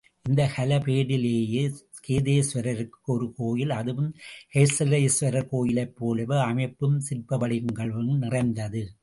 இந்த ஹலபேடிலேயே, கேதாரேஸ்வரருக்கும் ஒரு கோயில், அதுவும் ஹொய்சலேஸ்வரர் கோயிலைப் போலவே அமைப்பும் சிற்ப வடிவங்களும் நிறைந்தது.